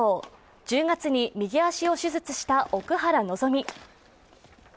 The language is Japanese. １０月に右足を手術した奥原希望。